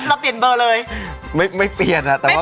ก็ปิดมือเถอะ